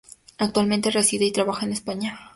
Actualmente reside y trabaja en España.